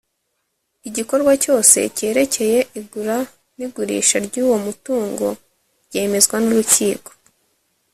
igikorwa cyose cyerekeye igura n’igurisha ry’uwo mutungo ryemezwa n’urukiko